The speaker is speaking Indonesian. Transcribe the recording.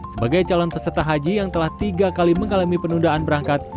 sebagai calon peserta haji yang telah tiga kali mengalami penundaan berangkat